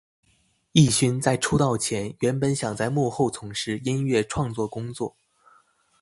镒勋在出道前原本想在幕后从事音乐创作工作。